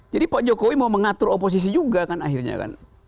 jadi pak jokowi mau mengatur oposisi juga kan akhirnya kan